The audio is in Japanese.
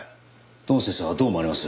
堂本先生はどう思われます？